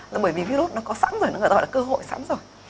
là bởi vì virus nó có sẵn rồi nó người gọi là cơ hội sẵn rồi